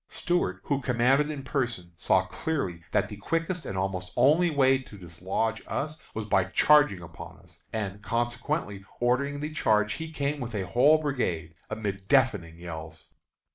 Stuart, who commanded in person, saw clearly that the quickest and almost only way to dislodge us was by charging upon us, and, consequently ordering the charge, he came with a whole brigade amid deafening yells.